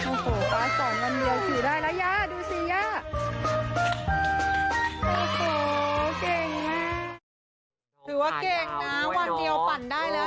โอ้โฮเก่งมากถือว่าเก่งน่ะวันเดียวปั่นได้แล้ว